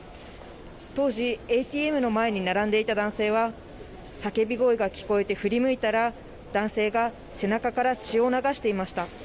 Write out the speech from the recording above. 当時、ＡＴＭの前に並んでいた男性は、叫び声が聞こえて振り向いたら、男性が背中から血を流していました。